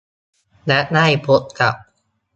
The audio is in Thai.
และได้พบกับ